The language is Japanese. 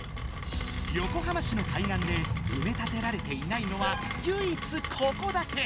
横浜市の海岸でうめたてられていないのはゆいいつここだけ。